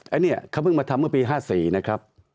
อันนี้เขาเพิ่งมาทำเมื่อปี๕๔นะครับ